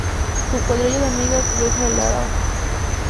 Su cuadrilla de amigas deja el Araba.